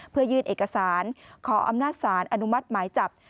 เพื่อยื่นเอกสารขออำนาจสารอนุมัติหมายจับ